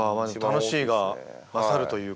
楽しいが勝るというか。